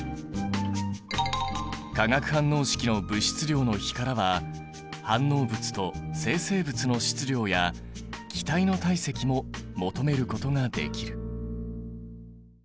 化学反応式の物質量の比からは反応物と生成物の質量や気体の体積も求めることができる。